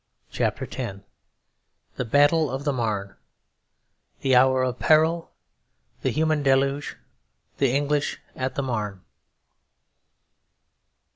CHAPTER X THE BATTLE OF THE MARNE The Hour of Peril The Human Deluge The English at the Marne.